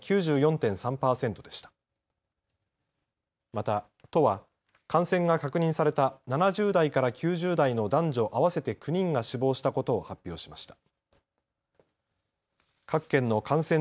また、都は感染が確認された７０代から９０代の男女合わせて９人が死亡したことを発表しました。